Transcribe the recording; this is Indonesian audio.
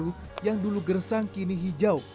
untuk mengusun landi baru yang dulu gersang kini hijau